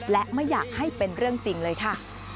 และไม่อยากให้เป็นเรื่องจริงเลยค่ะ